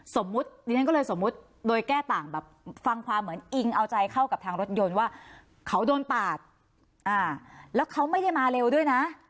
ดิฉันก็เลยสมมุติโดยแก้ต่างแบบฟังความเหมือนอิงเอาใจเข้ากับทางรถยนต์ว่าเขาโดนปาดแล้วเขาไม่ได้มาเร็วด้วยนะ